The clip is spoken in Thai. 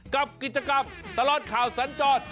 กับกิจกรรมตลอดข่าวสัญจร